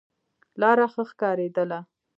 لاره نه ښکارېدله.